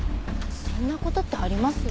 そんな事ってあります？